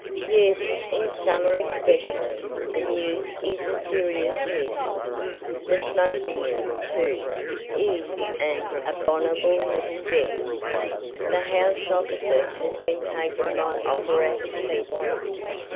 "Yes, in summer especially, the mews is a serious nuisance. The smoking room, too, is an abominable little den. The house opposite has been taken by operatic people.